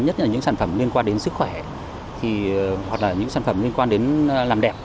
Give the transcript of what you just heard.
nhất là những sản phẩm liên quan đến sức khỏe hoặc là những sản phẩm liên quan đến làm đẹp